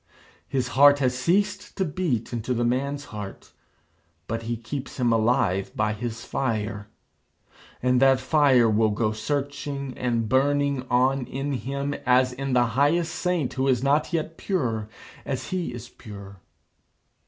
His heart has ceased to beat into the man's heart, but he keeps him alive by his fire. And that fire will go searching and burning on in him, as in the highest saint who is not yet pure as he is pure.